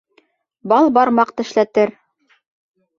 Бал бармаҡ тешләтер.